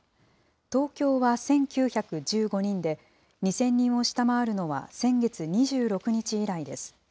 東京は１９１５人で、２０００人を下回るのは先月２６日以来です。